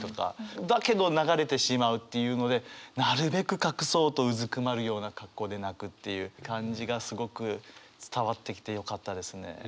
だけど流れてしまうっていうのでなるべく隠そうとうずくまるような格好で泣くっていう感じがすごく伝わってきてよかったですね。